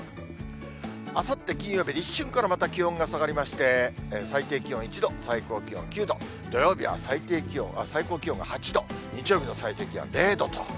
あさって金曜日、立春からまた気温が下がりまして、最低気温１度、最高気温９度、土曜日は最高気温も８度、日曜日の最低気温は０度と。